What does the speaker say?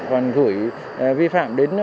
còn gửi vi phạm đến